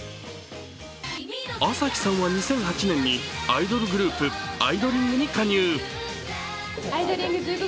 朝日さんは２００８年にアイドルグループ・アイドリング！！！に加入。